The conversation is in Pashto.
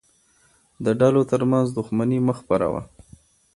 د ډلو ترمنځ دښمني مه خپروه.